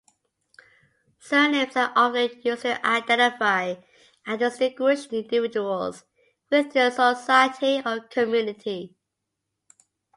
Surnames are often used to identify and distinguish individuals within a society or community.